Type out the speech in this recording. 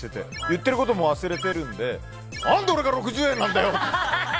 言ってることも忘れてるので何で俺が６０円なんだよ！